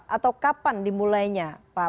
atau kapan dimulainya